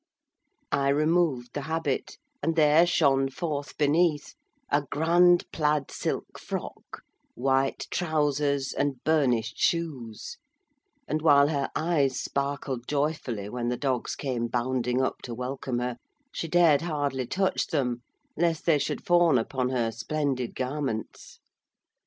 I removed the habit, and there shone forth beneath a grand plaid silk frock, white trousers, and burnished shoes; and, while her eyes sparkled joyfully when the dogs came bounding up to welcome her, she dared hardly touch them lest they should fawn upon her splendid garments.